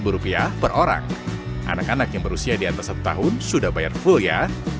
rp lima per orang anak anak yang berusia di atas satu tahun sudah bayar full ya